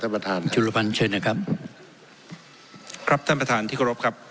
ท่านประธานครับชุดละพันธ์เชิญนะครับครับท่านประธานที่โกรภครับ